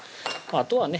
あとはね